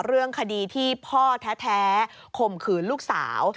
เรื่องคดีที่พ่อแท้ข่มขืนลูกสาว